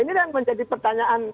nah ini yang menjadi pertanyaan